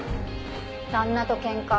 旦那と喧嘩。